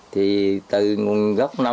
thì từ gấp